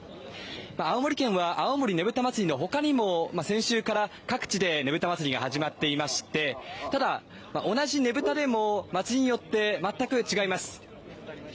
青森県は青森ねぶた祭のほかにも、先週から各地でねぶた祭が始まっていまして同じねぶたでも町によって全く違います。